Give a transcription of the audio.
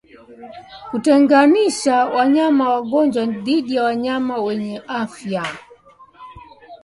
Kutenganisha wanyama wagonjwa dhidi ya wanyama wenye afya